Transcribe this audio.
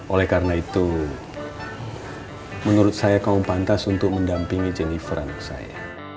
oleh karena itu menurut saya kaum pantas untuk mendampingi jennifer anak saya